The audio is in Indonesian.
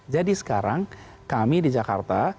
jadi sekarang kami di jakarta